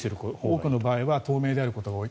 多くの場合は透明であることが多い。